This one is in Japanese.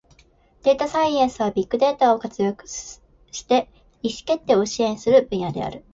データサイエンスは、ビッグデータを活用して意思決定を支援する分野である。